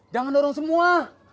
jangan dorong semua